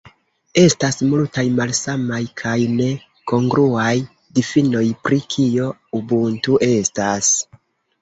Estas multaj malsamaj, kaj ne kongruaj, difinoj pri kio "ubuntu" estas.